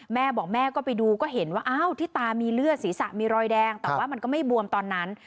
แม่บอกแม่ก็ไปดูก็เห็นว่าอ้าวที่ตามีเลือดศีรษะมีรอยแดงแต่ว่ามันก็ไม่บวมตอนนั้น